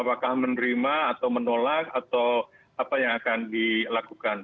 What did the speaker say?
apakah menerima atau menolak atau apa yang akan dilakukan